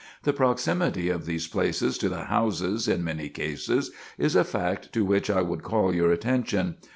The proximity of these places to the houses in many cases is a fact to which I would call your attention.